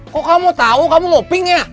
kok kamu tahu kamu mau ping ya